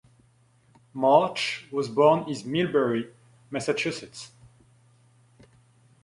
March was born in Millbury, Massachusetts.